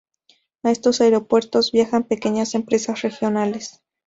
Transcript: A estos aeropuertos viajan pequeñas empresas regionales.